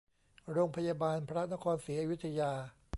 โรงพยาบาลพระนครศรีอยุธยา